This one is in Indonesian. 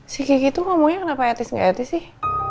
si kiki tuh ngomongnya kenapa etis gak etis sih